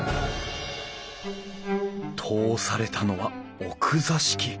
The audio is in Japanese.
通されたのは奥座敷。